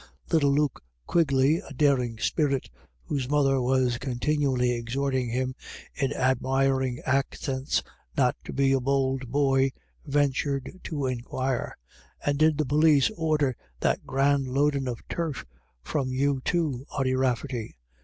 Little Luke Quigley, a daring spirit, whose mother was con tinually exhorting him, in admiring accents, not to be a bold boy, ventured to inquire :" And did the p61is order that grand loadin' of turf from you too, Ody Rafferty